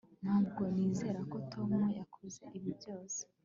ntabwo nizera ko tom yakoze ibi byose